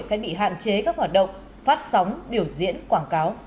sẽ bị hạn chế các hoạt động phát sóng biểu diễn quảng cáo